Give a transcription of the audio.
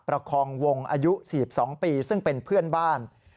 ประคองวงอายุ๔๒ปีซึ่งเป็นเพื่อนบ้าน